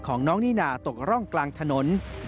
น้องนี่นาตกร่องกลางถนน